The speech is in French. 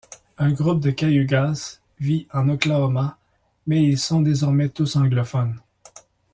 Un groupe de Cayugas vit en Oklahoma mais ils sont désormais tous anglophones.